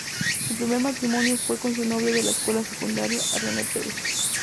Su primer matrimonio fue con su novia de la escuela secundaria, Renee Perez.